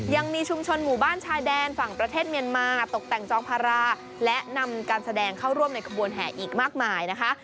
ยังมีชุมชนหมู่บ้านชายแดนฝั่งประเทศเมียนมาตกแต่งจองภาราและนำการแสดงเข้าร่วมในขบวนแห่อีกมากมายนะคะ